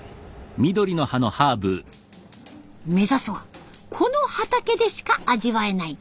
目指すはこの畑でしか味わえない